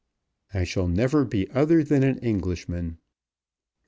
"I shall never be other than an Englishman."